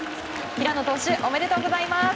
平野投手おめでとうございます。